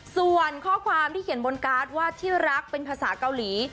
ส่วนข้อความที่เขียนบนการ์ดว่าที่รักเป็นภาษาเกาหลี